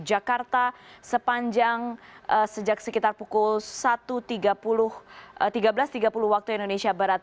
jakarta sepanjang sejak sekitar pukul satu tiga belas tiga puluh waktu indonesia barat